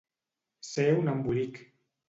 Ser un embolic.